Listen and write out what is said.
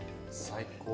最高！